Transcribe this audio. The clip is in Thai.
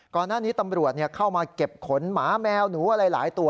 ก่อนหน้านี้ตำรวจเข้ามาเก็บขนหมาแมวหนูอะไรหลายตัว